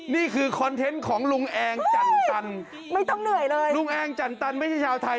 นี่คือคอนเทนต์ของลุงแองจันตันไม่ต้องเหนื่อยเลยลุงแองจันตันไม่ใช่ชาวไทย